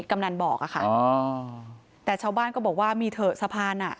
กำนันบอกอะค่ะอ๋อแต่ชาวบ้านก็บอกว่ามีเถอะสะพานอ่ะ